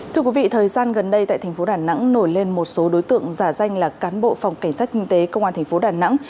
thưa quý vị thời gian gần đây tại thành phố đà nẵng nổi lên một số đối tượng giả danh là cán bộ phòng cảnh sát kinh tế công an tp đà nẵng